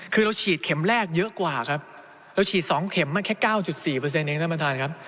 คือเราฉีดเข็มแรกเยอะกว่าครับเราฉีด๒เข็มมันแค่๙๔เองท่านประธานครับ